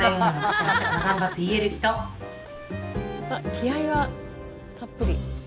気合いはたっぷり。